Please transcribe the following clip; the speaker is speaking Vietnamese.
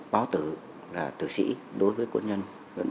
báo tử là tử sĩ đối với quân nhân